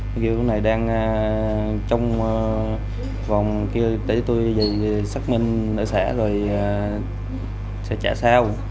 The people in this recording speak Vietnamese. nói kêu cái này đang trong vòng kia để tôi xác minh ở xã rồi sẽ trả sau